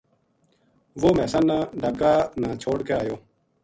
وہ مھیساں نا ڈھاکا نا چھوڈ کے ایو